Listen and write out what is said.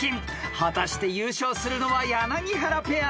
［果たして優勝するのは柳原ペア？］